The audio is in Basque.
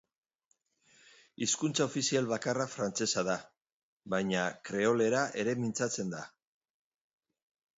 Hizkuntza ofizial bakarra frantsesa da, baina kreolera ere mintzatzen da.